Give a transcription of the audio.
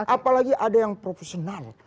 apalagi ada yang profesional